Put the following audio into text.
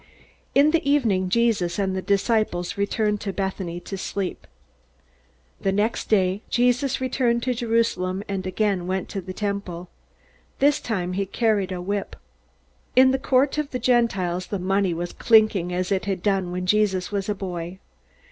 In the evening, Jesus and the disciples returned to Bethany to sleep. The next day Jesus returned to Jerusalem and again went to the Temple. This time he carried a whip. In the Court of the Gentiles the money was clinking as it had done when Jesus was a boy.